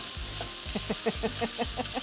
フフフフフフフ！